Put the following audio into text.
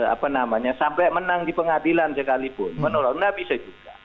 apa namanya sampai menang di pengadilan sekalipun menolak nggak bisa juga